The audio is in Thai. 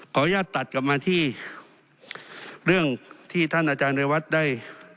ขออนุญาตตัดกลับมาที่เรื่องที่ท่านอาจารย์เรวัตได้